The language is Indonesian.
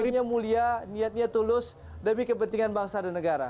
gurunya mulia niatnya tulus demi kepentingan bangsa dan negara